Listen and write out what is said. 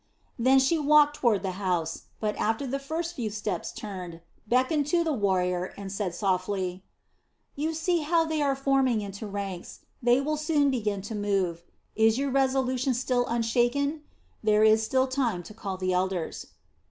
Then she walked toward the house, but after the first few steps turned, beckoned to the warrior, and said softly: "You see how they are forming into ranks. They will soon begin to move. Is your resolution still unshaken? There is still time to call the elders."